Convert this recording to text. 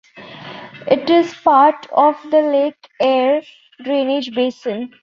It is part of the Lake Eyre drainage basin.